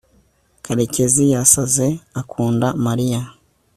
karekezi yasaze akunda mariya